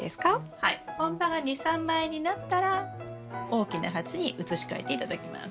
本葉が２３枚になったら大きな鉢に移し替えて頂きます。